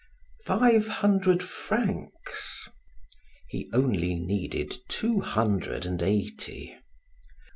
"Five hundred francs." He only needed two hundred and eighty.